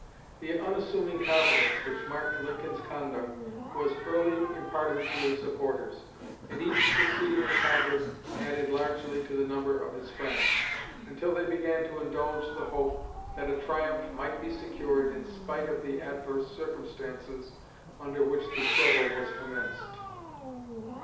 The unassuming confidence which marked Lincoln's conduct was early imparted to his supporters, and each succeeding encounter added largely to the number of his friends, until they began to indulge the hope that a triumph might be secured in spite of the adverse circumstances under which the struggle was commenced."